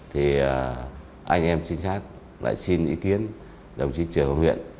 thì anh em chính xác lại xin ý kiến đồng chí trường hồng nguyễn